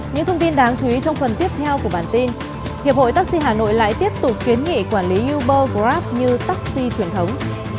những thông tin đáng chú ý trong phần tiếp theo của bản tin hiệp hội taxi hà nội lại tiếp tục kiến nghị quản lý uber grab như taxi truyền thống